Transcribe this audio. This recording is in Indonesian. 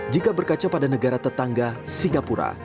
jika berkaca pada negara tetangga singapura